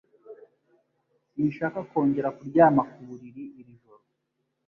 Sinshaka kongera kuryama ku buriri iri joro